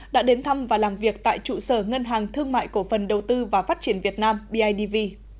đã đến thăm và làm việc tại trụ sở ngân hàng thương mại cổ phần đầu tư và phát triển việt nam bidv